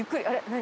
何？